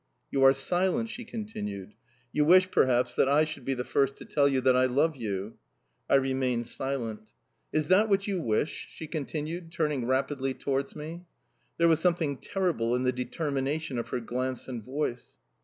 "You are silent!" she continued; "you wish, perhaps, that I should be the first to tell you that I love you."... I remained silent. "Is that what you wish?" she continued, turning rapidly towards me.... There was something terrible in the determination of her glance and voice.